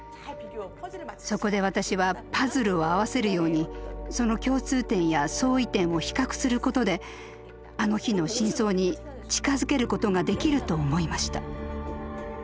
そこで私はパズルを合わせるようにその共通点や相違点を比較することであの日の真相に近づけることができると思いました。